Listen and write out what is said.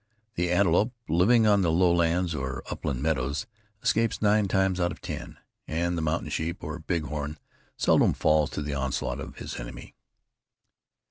The antelope, living on the lowlands or upland meadows, escapes nine times out of ten; and the mountain sheep, or bighorn, seldom falls to the onslaught of his enemy.